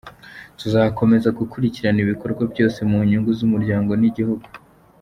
Tuzakomeza gukurikirana ibikorwa byose mu nyungu z’umuryango n’igihugu.